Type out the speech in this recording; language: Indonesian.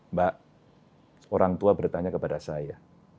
mbak orang tua bertanya kepada saya